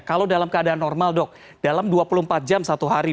kalau dalam keadaan normal dok dalam dua puluh empat jam satu hari